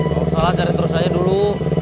tidak usah lah cari terus aja dulu